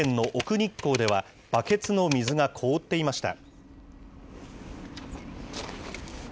日光では、バケツの水が凍っていました。